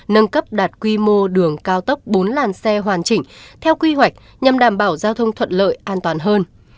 nâng cấp đạt quy mô đường cao tốc bốn làn xe hoàn chỉnh theo quy hoạch nhằm đảm bảo giao thông thuận lợi an toàn hơn